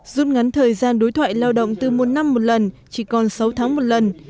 giúp ngắn thời gian đối thoại lao động từ một năm một lần chỉ còn sáu tháng một lần